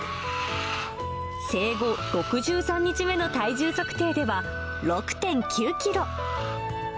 生後６３日目の体重測定では、６．９キロ。